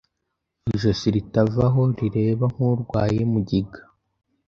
ijosi ritava aho rireba nk'urwaye mugiga